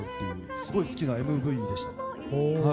すごい好きなＭＶでした。